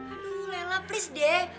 aduh lela please deh